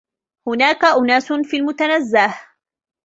هناك أناس في المتنزه.